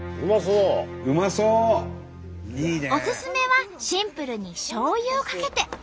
おすすめはシンプルにしょうゆをかけて。